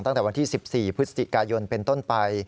ตั้งแต่วันที่๑๔พฤศจิกายนเป็นต้นไป